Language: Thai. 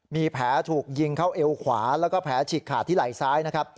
มีแผลถูกยิงเข้าเอวขวาแล้วก็แผลฉีกขาดที่ไหล่ซ้ายนะครับ